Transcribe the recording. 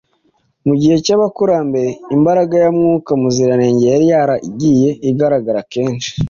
Mu gihe cy’abakurambere imbaraga ya Mwuka Muziranenge yari yaragiye igaragara kenshi